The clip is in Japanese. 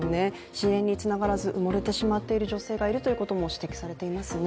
支援につながらず、埋もれてしまっている女性がいるということも指摘されていますね。